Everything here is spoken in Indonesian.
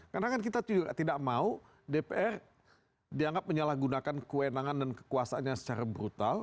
karena kan kita tidak mau dpr dianggap menyalahgunakan kewenangan dan kekuasanya secara brutal